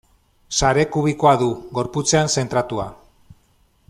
Sare kubikoa du, gorputzean zentratua.